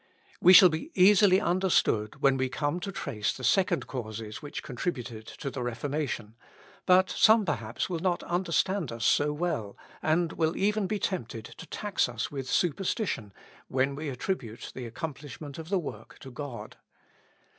We shall be easily understood, when we come to trace the second causes which contributed to the Reformation, but some perhaps will not understand us so well, and will even be tempted to tax us with superstition, when we attribute the accomplishment of the work to God.